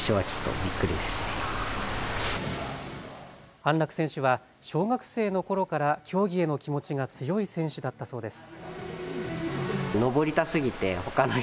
安楽選手は小学生のころから競技への気持ちが強い選手だったそうです。